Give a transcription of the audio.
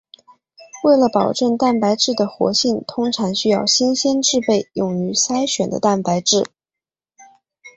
为了保证蛋白质的活性通常需要新鲜制备用于筛选的蛋白质。